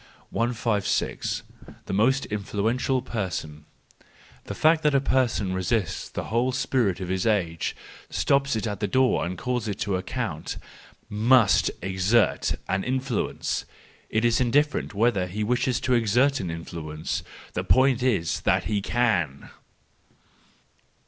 156. The most Influential Person .—The fact that a person resists the whole spirit of his age, stops it at the door, and calls it to account, must exert an influence! It is indifferent whether he wishes to exert an influence; the point is that he can.